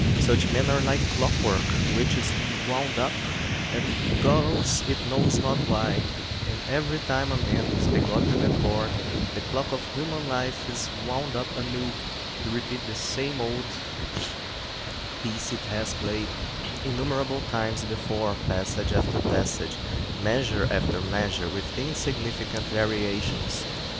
Such men are like clockwork, which is wound up, and goes it knows not why; and every time a man is begotten and born, the clock of human life is wound up anew, to repeat the same old piece it has played innumerable times before, passage after passage, measure after measure, with insignificant variations.